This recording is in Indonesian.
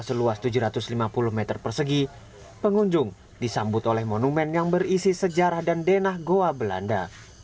seluas tujuh ratus lima puluh meter persegi pengunjung disambut oleh monumen yang berisi sejarah dan denah goa belanda